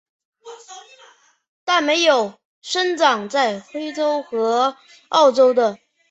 但没有生长在非洲和澳洲的。